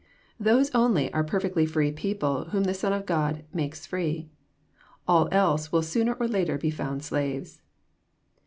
Those only are perfectly free people whom the Son of God " makes free." All else will sooner or later be found slaves.